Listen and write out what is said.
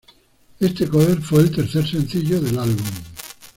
Este cover fue el tercer sencillo del álbum.